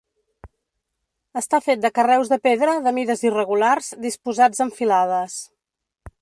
Està fet de carreus de pedra de mides irregulars disposats en filades.